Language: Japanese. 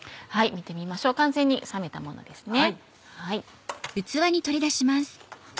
見てみましょう完全に冷めたものです。